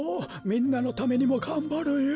みんなのためにもがんばるよ。